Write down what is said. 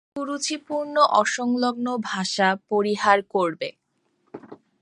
কুরুচিপূর্ণ অসংলগ্ন ভাষা পরিহার করবে।